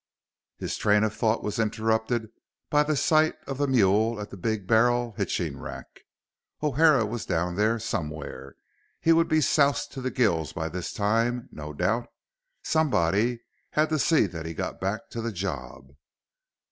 His train of thought was interrupted by the sight of the mule at the Big Barrel hitching rack. O'Hara was down there, somewhere. He would be soused to the gills by this time, no doubt. Somebody had to see that he got back to the job.